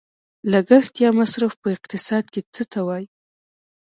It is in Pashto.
لګښت یا مصرف په اقتصاد کې څه ته وايي؟